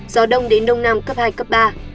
gió đông đến đông nam cấp hai cấp ba